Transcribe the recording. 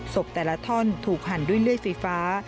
แต่ละท่อนถูกหั่นด้วยเลื่อยไฟฟ้า